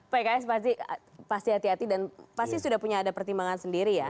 pks pasti hati hati dan pasti sudah punya ada pertimbangan sendiri ya